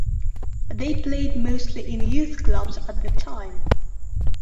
They played mostly in youth clubs at the time.